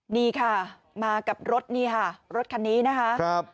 นี่ค่ะมากับรถนี่ค่ะรถคันนี้นะคะ